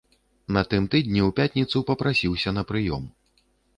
На тым тыдні ў пятніцу папрасіўся на прыём.